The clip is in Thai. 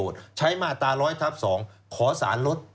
ใช้มาตรา๑๐๐ทับ๒ขอสารลด